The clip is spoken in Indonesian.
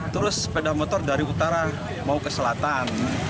terus sepeda motor dari utara mau ke selatan